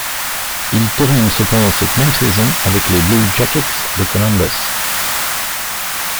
Il termine cependant cette même saison avec les Blue Jackets de Columbus.